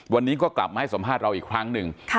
วันนี้ก็กลับมาให้สัมภาษณ์เราอีกครั้งหนึ่ง